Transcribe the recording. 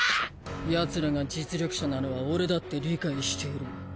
ヤツらが実力者なのは俺だって理解している。